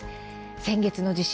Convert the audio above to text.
先月の地震